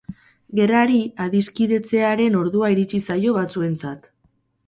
Gerrari adiskidetzearen ordua iritsi zaio batzuentzat.